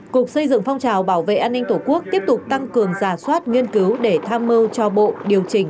cục xây dựng phong trào bảo vệ an ninh tổ quốc tiếp tục tăng cường giả soát nghiên cứu để tham mưu cho bộ điều chỉnh